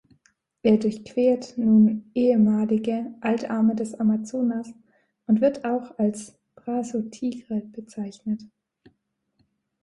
Er durchquert nun ehemalige Altarme des Amazonas und wird auch als "Brazo Tigre" bezeichnet.